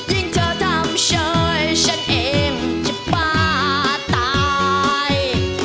ยิ่งเธอทำเชิญฉันเองจะบ้าตาย